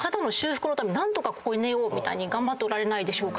何とかここで寝ようと頑張っておられないでしょうか？